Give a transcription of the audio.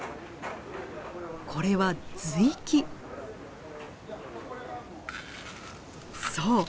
これはそう！